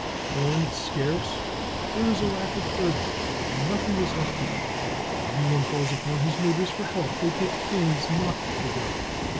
Corn is scarce, there is a lack of herbage, and nothing is left to eat: when any one calls upon his neighbors for help, they take pains not to go.